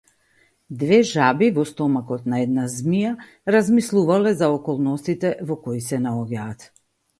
Две жаби во стомакот на една змија размислувале за околностите во кои се наоѓаат.